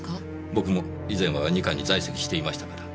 僕も以前は二課に在籍していましたから。